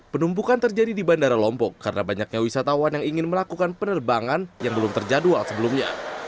penumpukan terjadi di bandara lombok karena banyaknya wisatawan yang ingin melakukan penerbangan yang belum terjadwal sebelumnya